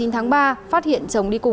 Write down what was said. một mươi chín tháng ba phát hiện chồng đi cùng